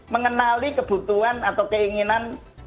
mengenali kebutuhan atau keinginan